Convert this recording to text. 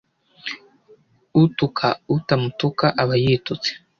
utuka utamutuka aba yitutse